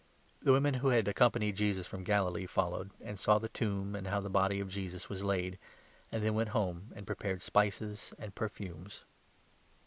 The 55 women who had accompanied Jesus from Galilee followed, and saw the tomb and how the body of Jesus was laid, and then 56 went home, and prepared spices and perfumes.